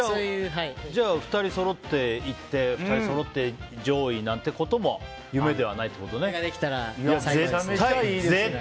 じゃあ２人そろって行って２人そろって上位なんてこともそれができたら最高ですね。